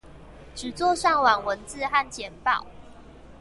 只做上網文字和簡報